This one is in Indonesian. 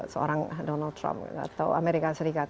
seorang donald trump atau amerika serikat